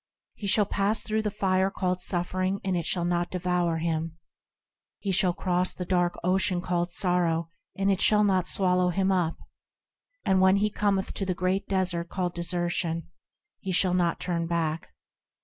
He shall pass through the Fire called Suffering and it shall not devour him; He shall cross the dark Ocean called Sorrow, and it shall not swallow him up; And when he cometh to the Great Desert called Desertion, he shall not turn back.